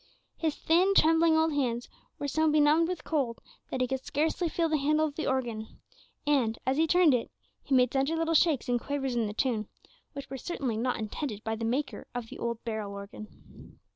His thin, trembling old hands were so benumbed with cold that he could scarcely feel the handle of the organ, and, as he turned it, he made sundry little shakes and quavers in the tune, which were certainly not intended by the maker of the old barrel organ.